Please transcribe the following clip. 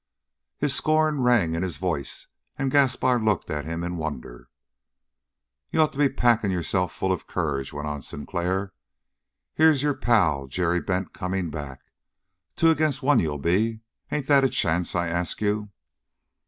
His scorn rang in his voice, and Gaspar looked at him in wonder. "You'd ought to be packing yourself full of courage," went on Sinclair. "Here's your pal, Jerry Bent, coming back. Two agin' one, you'll be. Ain't that a chance, I ask you?"